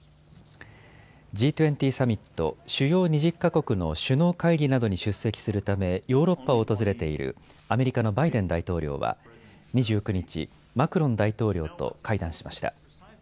Ｇ２０サミット・主要２０か国の首脳会議などに出席するためヨーロッパを訪れているアメリカのバイデン大統領は２９日、マクロン大統領と会談しました。